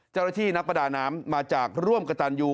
นักประดาน้ำมาจากร่วมกระตันยู